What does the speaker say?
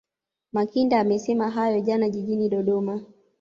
Makinda amesema hayo jana jijini Dodoma